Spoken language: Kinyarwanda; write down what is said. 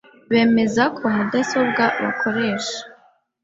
bemeze ko mudesobwe bekoreshe